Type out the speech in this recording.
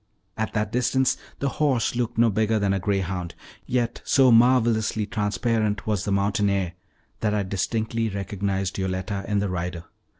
At that distance the horse looked no bigger than a greyhound, yet so marvelously transparent was the mountain air, that I distinctly recognized Yoletta in the rider.